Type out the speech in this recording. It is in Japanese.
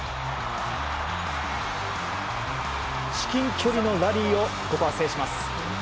至近距離のラリーをここは制します。